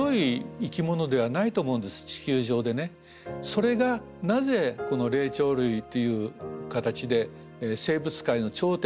それがなぜこの霊長類という形で生物界の頂点に立てたか。